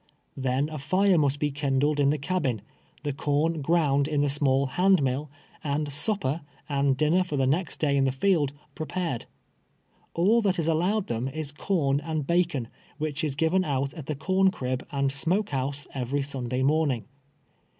Then a lire must bo kindled in the cabin, the corn ground in the small hand mill, and supper, and dinner for the next day in the field, prepared. All that is allowed them is corn and b:ici»n, which is given out at the corncrib and smoke house every Sunday moi ning.